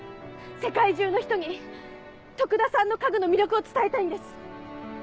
世界中の人に徳田さんの家具の魅力を伝えたいんです！